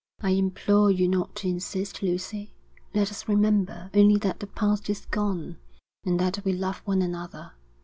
'I implore you not to insist, Lucy. Let us remember only that the past is gone and that we love one another.